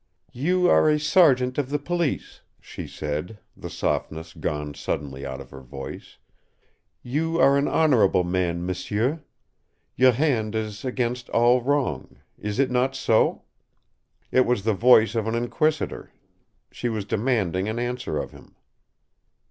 "You are a sergeant of the police," she said, the softness gone suddenly out of her voice. "You are an honorable man, m'sieu. Your hand is against all wrong. Is it not so?" It was the voice of an inquisitor. She was demanding an answer of him.